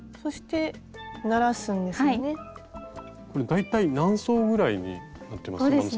大体何層ぐらいになってます？